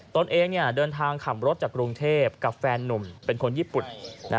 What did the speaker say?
ตนเองเดินทางขับรถจากกรุงเทพกับแฟนนุ่มเป็นคนญี่ปุ่น